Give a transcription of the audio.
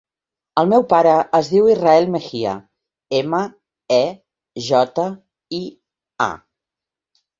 El meu pare es diu Israel Mejia: ema, e, jota, i, a.